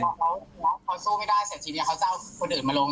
แล้วเขาสู้ไม่ได้เสร็จทีนี้เขาจะเอาคนอื่นมาลง